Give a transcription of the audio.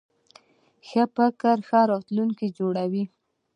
ښه فکر ښه راتلونکی جوړوي.